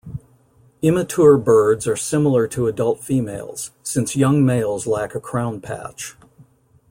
Immature birds are similar to adult females, since young males lack a crown patch.